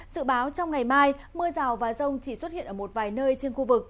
sự báo trong ngày mai mưa rào và rông chỉ xuất hiện ở một vài nơi trên khu vực